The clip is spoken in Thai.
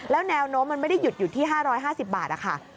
แล้วแนวโน้มมันไม่ได้หยุดที่๕๕๐บาท